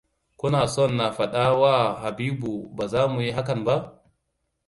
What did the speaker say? Kuna son na faɗa wa Habibu ba za mu yi hakan ba?